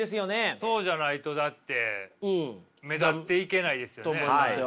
そうじゃないとだって目立っていけないですよね。と思いますよ。